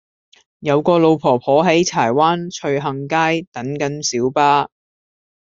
有個老婆婆喺柴灣翠杏街等緊小巴